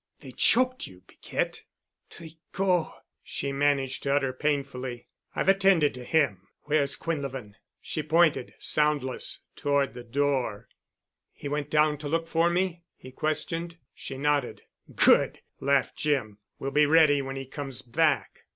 "They choked you, Piquette." "Tri—cot," she managed to utter painfully. "I've attended to him. Where's Quinlevin?" She pointed, soundless, toward the door. "He went down to look for me?" he questioned. She nodded. "Good," laughed Jim. "We'll be ready when he comes back."